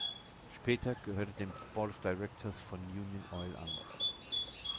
Später gehörte er dem Board of Directors von Union Oil an.